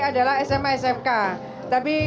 adalah sma sfk tapi